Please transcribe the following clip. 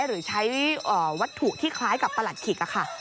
หรือใช้วัตถุที่คล้ายกับประหลัดขิกค่ะ